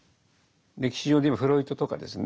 歴史上で言えばフロイトとかですね